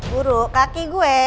buruk kaki gue